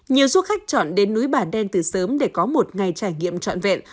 nhiều du khách chọn đến núi bản đen từ sớm để có một ngày trải nghiệm trọn vẹn